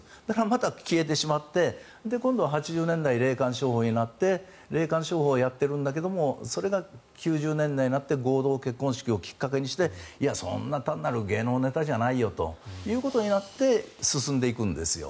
また消えてしまって今度は８０年代霊感商法になって霊感商法をやっているんだけどそれが９０年代になって合同結婚式をきっかけにしてそんな単なる芸能ネタじゃないよということになって進んでいくんですよ。